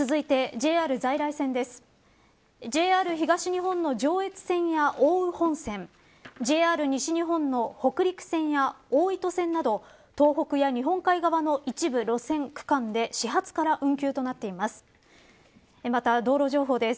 ＪＲ東日本の上越線や奥羽本線ＪＲ西日本の北陸線や大糸線など東北や日本海側の一部路線区間で始発から運休となっています。